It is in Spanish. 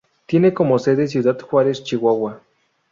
Tiene como sede Ciudad Juárez, Chihuahua.